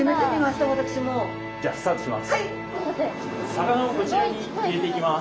魚をこちらに入れていきます。